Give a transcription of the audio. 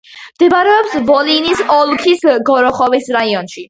მდებარეობს ვოლინის ოლქის გოროხოვის რაიონში.